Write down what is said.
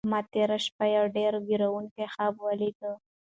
ما تېره شپه یو ډېر وېروونکی خوب ولید.